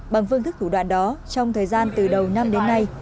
bằng phương thức thủ đoạn đó trong thời gian từ đầu năm đến nay